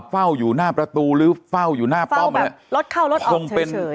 เฝ้าอยู่หน้าประตูหรือเฝ้าอยู่หน้าป้องแบบรถเข้ารถออกเฉยเฉยคงเป็น